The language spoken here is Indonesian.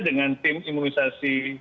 dengan tim imunisasi